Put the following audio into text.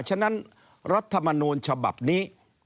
ฉะนั้นรัฐมนูลฉบับนี้